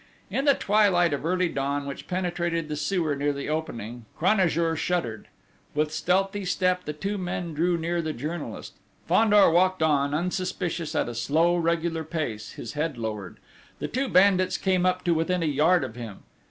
In the twilight of early dawn, which penetrated the sewer near the opening, Cranajour shuddered. With stealthy step the two men drew near the journalist. Fandor walked on unsuspicious at a slow regular pace, his head lowered. The two bandits came up to within a yard of him.